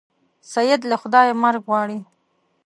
سید له خدایه مرګ غواړي.